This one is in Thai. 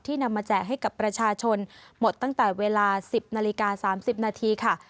นำมาแจกให้กับประชาชนหมดตั้งแต่เวลา๑๐นาฬิกา๓๐นาทีค่ะ